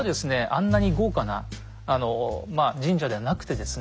あんなに豪華な神社ではなくてですね